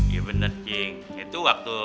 iya bener cing itu waktu